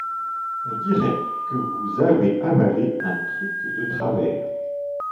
On dirait que vous avez avalé un truc de travers.